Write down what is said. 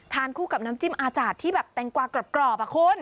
คู่กับน้ำจิ้มอาจารย์ที่แบบแตงกวากรอบอ่ะคุณ